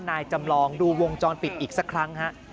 นายจำลองดูวงจรปิดอีกสักครั้งฮะ